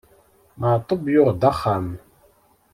Maɛṭub yuɣ-d axxam.